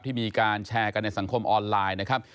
มีการแชร์กันในสังคมออนไลน์นะครับ